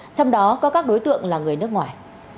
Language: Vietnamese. trong đó có các đối tượng là người nước ngoài